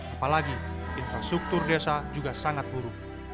apalagi infrastruktur desa juga sangat buruk